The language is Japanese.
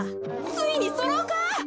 ついにそろうか？